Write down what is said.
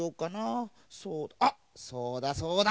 あっそうだそうだ！